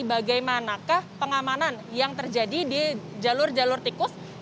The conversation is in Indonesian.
bagaimanakah pengamanan yang terjadi di jalur jalur tikus